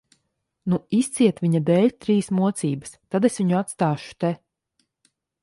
Nu, izciet viņa dēļ trīs mocības, tad es viņu atstāšu te.